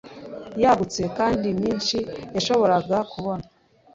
yagutse kandi myinshi yashoboraga kubona